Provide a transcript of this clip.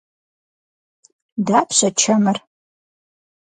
Дапщэ чэмыр?